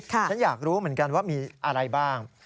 ฉันอยากรู้เหมือนกันว่ามีอะไรบ้าง